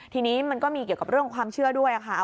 ทีนี้มันก็มีเกี่ยวกับเรื่องความเชื่อด้วยค่ะ